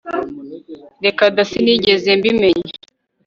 rekada sinigeze mbimenya